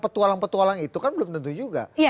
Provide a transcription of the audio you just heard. petualang petualang itu kan belum tentu juga